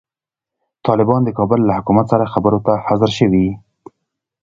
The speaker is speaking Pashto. طالبان د کابل له حکومت سره خبرو ته حاضر شوي.